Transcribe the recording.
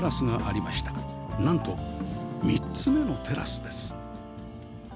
なんと３つ目のテラスです